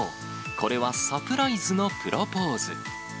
これはサプライズのプロポーズ。